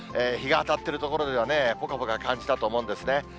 日が当たってる所ではね、ぽかぽか感じたと思うんですね。